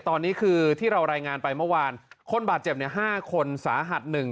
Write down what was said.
ตอนนี้คือที่เรารายงานไปเมื่อวานคนบาดเจ็บเนี่ยห้าคนสาหัสหนึ่ง